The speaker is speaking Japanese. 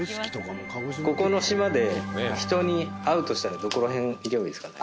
ここの島で人に会うとしたらどこら辺行けばいいですかね？